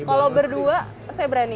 kalo berdua saya berani